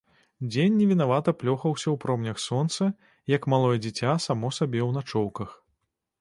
Дзень невінавата плёхаўся ў промнях сонца, як малое дзіця само сабе ў начоўках.